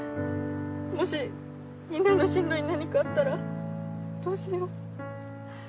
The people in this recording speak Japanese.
もしみんなの進路に何かあったらどうしよう。